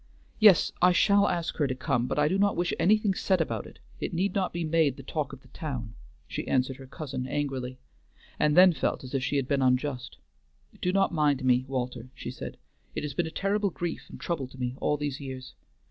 "Yes, I shall ask her to come, but I do not wish anything said about it; it need not be made the talk of the town." She answered her cousin angrily, and then felt as if she had been unjust. "Do not mind me, Walter," she said; "it has been a terrible grief and trouble to me all these years.